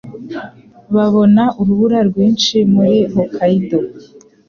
Babona urubura rwinshi muri Hokkaido.